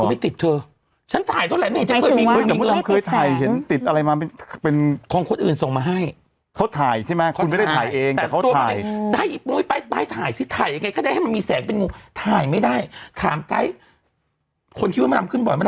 มันทำขึ้นบ่อยมันทำไปแค่สามรอบนะฮะไปฮือไปหม้อยขนาดนั้น